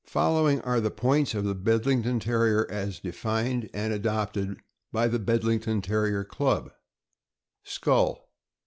Following are the points of the Bedlington Terrier as defined and adopted by the Bedlington Terrier Club: Skull.